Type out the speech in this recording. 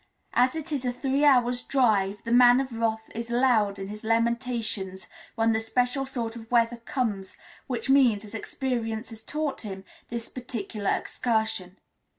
As it is a three hours' drive, the Man of Wrath is loud in his lamentations when the special sort of weather comes which means, as experience has taught him, this particular excursion.